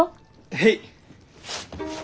へい！